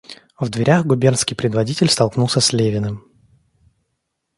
В дверях губернский предводитель столкнулся с Левиным.